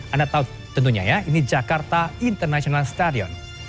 anda tahu tentunya ya ini jakarta international stadion